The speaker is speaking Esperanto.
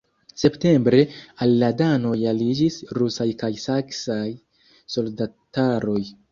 Septembre al la danoj aliĝis rusaj kaj saksaj soldataroj.